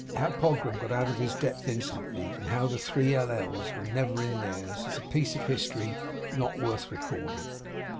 How Pogram got out of his depth instantly, and how the three L. L.'s were never in theirs, is a piece of history not worth recording.